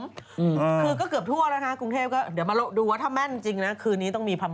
อืมคือก็เกือบทั่วแล้วนะคะกรุงเทพก็เดี๋ยวมาดูว่าถ้าแม่นจริงนะคืนนี้ต้องมี